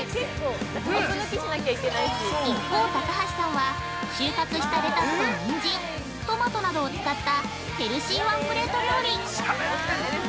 一方、高橋さんは収穫したレタスとニンジントマトなどを使ったヘルシーワンプレート料理。